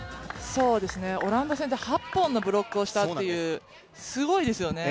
オランダ戦で８本のブロックをしたという、すごいですよね。